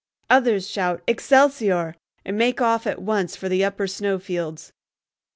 Others shout, "Excelsior," and make off at once for the upper snow fields.